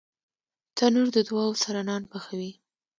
تنور د دعاوو سره نان پخوي